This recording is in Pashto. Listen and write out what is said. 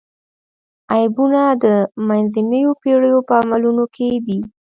عیبونه د منځنیو پېړیو په عملونو کې دي.